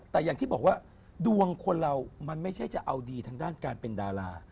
แต่อย่างที่บอกว่าดวงคนเรามันไม่ใช่จะเอาดีทางด้านการเป็นดารา